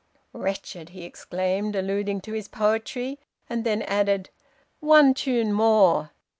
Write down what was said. "'Wretched!' he exclaimed, alluding to his poetry; and then added, 'One tune more!